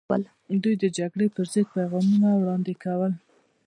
دوی د جګړې پر ضد پیغامونه وړاندې کول.